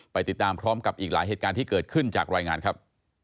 ไปติดตามพร้อมกับอีกหลายเหตุการณ์ที่เกิดขึ้นจากรายงานครับ